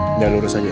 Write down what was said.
jangan lurus aja